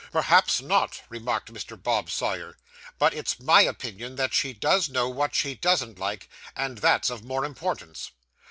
'Perhaps not,' remarked Mr. Bob Sawyer. 'But it's my opinion that she does know what she doesn't like, and that's of more importance.